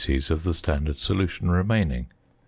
of the standard solution remaining.